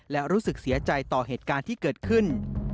และรู้สึกเสียใจต่อเหตุการณ์ที่เกิดขึ้น